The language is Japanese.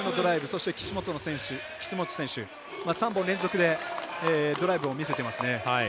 そして、岸本選手と３本連続でドライブを見せてますね。